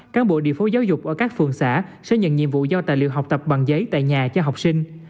cán bộ địa phương giáo dục ở các phường xã sẽ nhận nhiệm vụ giao tài liệu học tập bằng giấy tại nhà cho học sinh